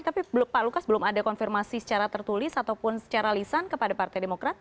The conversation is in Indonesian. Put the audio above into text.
tapi pak lukas belum ada konfirmasi secara tertulis ataupun secara lisan kepada partai demokrat